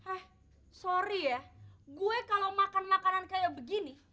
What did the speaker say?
eh sorry ya gue kalau makan makanan kayak begini